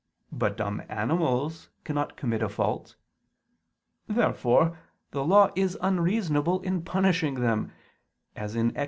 But dumb animals cannot commit a fault. Therefore the Law is unreasonable in punishing them (Ex.